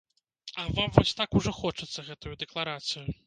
А вам вось так ужо хочацца гэтую дэкларацыю?